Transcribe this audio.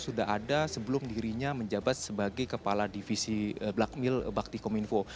sudah sebelum dirinya menjabat sebagai kepala divisi black mill bakti kominfo